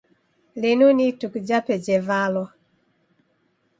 Linu ni ituku japo jevalwa.